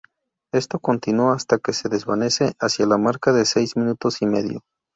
Esto continúa hasta que se desvanece hacia la marca de seis minutos y medio.